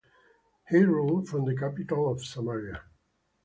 He ruled from the capital of Samaria.